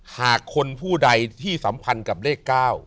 หากคนผู้ใดที่สัมพันธ์กับเลข๙